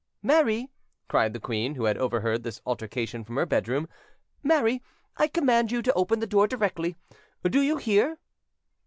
'" "Mary," cried the queen, who had overheard this altercation from her bedroom,—"Mary, I command you to open the door directly: do you hear?"